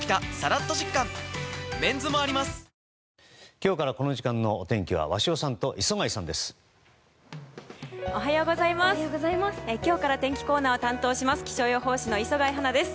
今日からこの時間のお天気は鷲尾さんと礒貝さんです。